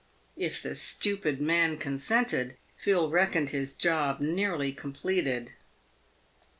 If the stupid man consented, Phil reckoned his job nearly completed.